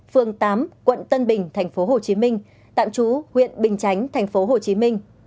phường tám quận tân bình tp hcm tạm trú huyện bình chánh tp hcm